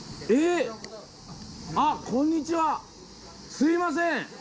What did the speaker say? すいません。